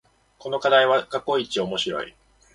この課題は過去一面白い